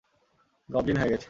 Goblin হয়ে গেছে।